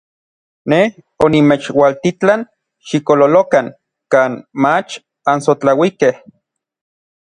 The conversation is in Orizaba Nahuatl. Nej onimechualtitlan xikololokan kan mach ansotlauikej.